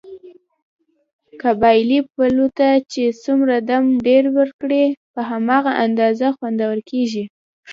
قابلي پلو ته چې څومره دم ډېر ور کړې، په هماغه اندازه خوندور کېږي.